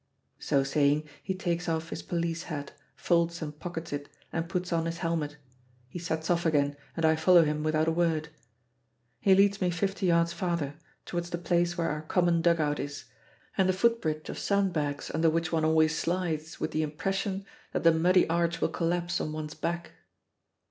So saying, he takes off his police hat, folds and pockets it. and puts on his helmet. He sets off again and I follow him without a word. He leads me fifty yards farther, towards the place where our common dug out is, and the footbridge of sandbags under which one always slides with the impression that the muddy arch will collapse on one's back.